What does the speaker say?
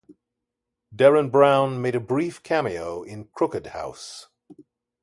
Derren Brown made a brief cameo in "Crooked House".